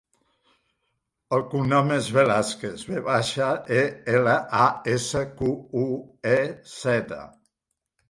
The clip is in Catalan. El cognom és Velasquez: ve baixa, e, ela, a, essa, cu, u, e, zeta.